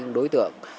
những đối tượng